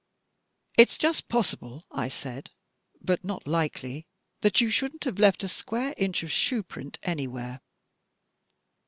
"It's just possible," I said, "but not likely that you shouldn't have left a square inch of shoeprint anywhere."